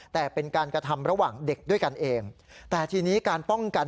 แต่เป็นการกระทำระหว่างเด็กด้วยกันเองแต่ทีนี้การป้องกัน